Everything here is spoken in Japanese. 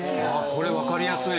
これわかりやすい。